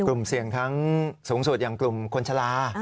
กลุ่มเสี่ยงทั้งสูงสุดอย่างกลุ่มคนชะลา